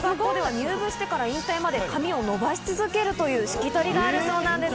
入部してから引退まで、髪を伸ばし続けるというしきたりがあるそうなんです。